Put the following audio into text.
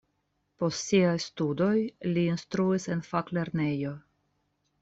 Post siaj studoj li instruis en faklernejo.